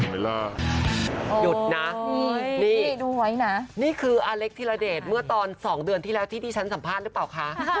หยุดนะนี่ดูไว้นะนี่คืออาเล็กธิระเดชเมื่อตอน๒เดือนที่แล้วที่ที่ฉันสัมภาษณ์หรือเปล่าคะ